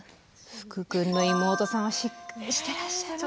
福くんの妹さんはしっかりしてらっしゃいますね。